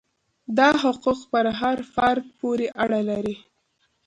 دا حقوق پر هر فرد پورې اړه لري.